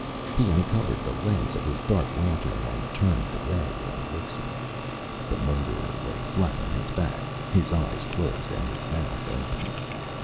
He uncovered the lens of his dark lantern and turned the ray on Wixy. The murderer lay flat on his back, his eyes closed and his mouth open.